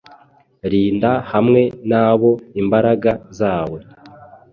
Rinda hamwe nabo imbaraga zawe.